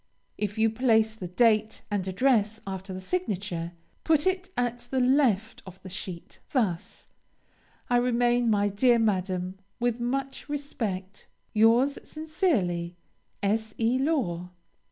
If you place the date and address after the signature, put it at the left of the sheet; thus I remain, my dear Madam, With much respect, Yours sincerely, S. E. LAW.